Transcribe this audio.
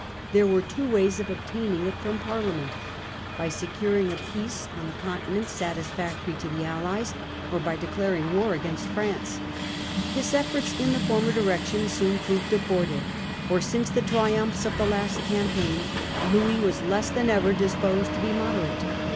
There were two ways of obtaining it from Parliament — by securing a peace on the Continent satisfactory to the allies, or by declaring war against France. His efforts in the former direction soon proved abortive, for since the triumphs of the last cam paign Louis was less than ever disposed to be moderate.